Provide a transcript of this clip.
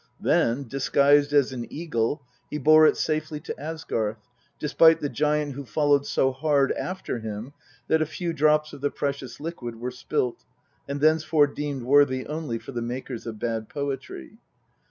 Then, disguised as an eagle, he bore it safely to Asgarth, despite the giant who followed so hard after him that a few drops of the precious liquid were spilt, and thenceforth deemed worthy only for the makers of bad poetry.